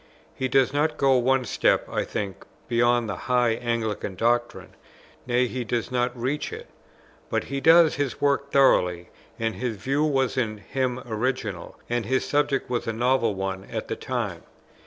He does not go one step, I think, beyond the high Anglican doctrine, nay he does not reach it; but he does his work thoroughly, and his view was in him original, and his subject was a novel one at the time.